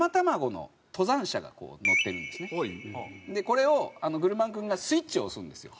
これをグルマンくんがスイッチを押すんですよ。